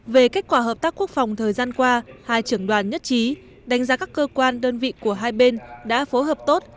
về kết quả hợp tác quốc phòng thời gian qua hai trưởng đoàn nhất trí đánh giá các cơ quan đơn vị của hai bên đã phối hợp tốt